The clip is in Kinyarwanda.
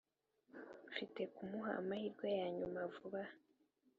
mfite kumuha amahirwe yanyuma vuba aha